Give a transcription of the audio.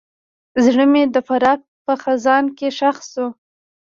زړه مې د فراق په خزان کې ښخ شو.